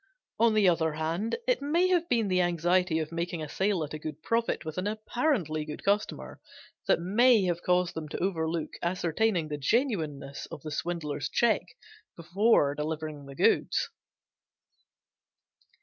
On the other hand, it may have been the anxiety of making a sale at a good profit with an apparently good customer that may have caused them to overlook ascertaining the genuineness of the swindler's check before delivering the goods.